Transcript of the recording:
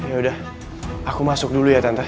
yaudah aku masuk dulu ya tante